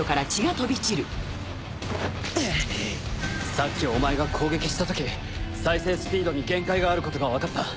さっきお前が攻撃したとき再生スピードに限界があることがわかった。